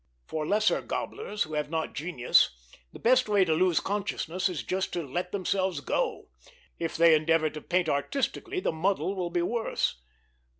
For lesser gobblers, who have not genius, the best way to lose consciousness is just to let themselves go; if they endeavor to paint artistically the muddle will be worse.